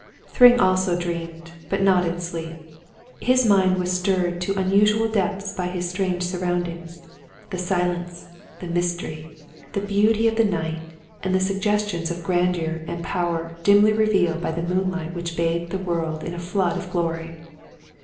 Thryng also dreamed, but not in sleep. His mind was stirred to unusual depths by his strange surroundings — the silence, the mystery, the beauty of the night, and the suggestions of grandeur and power dimly revealed by the moonlight which bathed the world in a flood of glory.